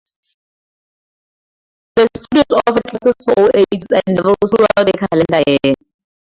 The Studios offer classes for all ages and levels throughout the calendar year.